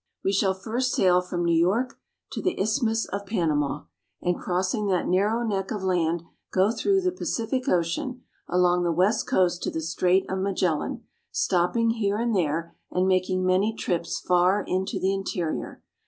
We shall first sail from New York to the Isthmus of Panama, and crossing that narrow neck of land, go through the Pacific Ocean along the west coast to the Strait of Magellan, stopping here and there, and making many trips far into the interior.